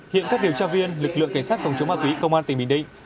hiện các điều tra viên lực lượng cảnh sát phòng chống ma túy công an tỉnh bình định